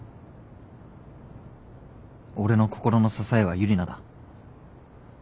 俺の心の支えはユリナだ。